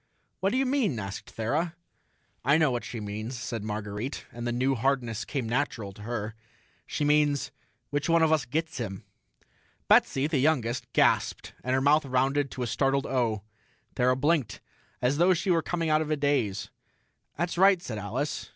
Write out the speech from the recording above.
"What do you mean?" asked Thera. "I know what she means," said Marguerite, and the new hardness came natural to her. "She means, which one of us gets him?" Betsy, the youngest, gasped, and her mouth rounded to a startled O. Thera blinked, as though she were coming out of a daze. "That's right," said Alice.